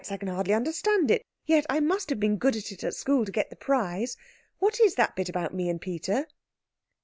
I can hardly understand it. Yet I must have been good at it at school, to get the prize. What is that bit about me and Peter?"